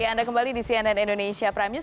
ya anda kembali di cnn indonesia prime news